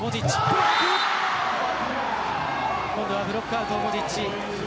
今度はブロックアウトモジッチ。